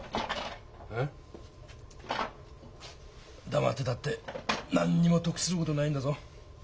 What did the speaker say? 黙ってたって何にも得することないんだぞ。